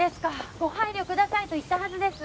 ご配慮くださいと言ったはずです。